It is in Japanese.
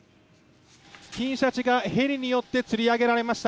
金シャチがヘリによってつり上げられました。